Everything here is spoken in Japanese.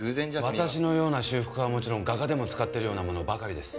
私のような修復家はもちろん画家でも使ってるようなものばかりです。